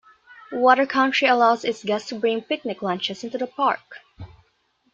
Water Country allows its guests to bring picnic lunches into the park.